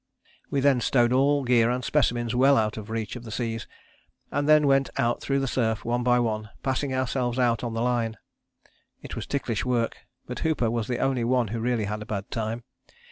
"We then stowed all gear and specimens well out of the reach of the seas, and then went out through the surf one by one, passing ourselves out on the line. It was ticklish work, but Hooper was the only one who really had a bad time.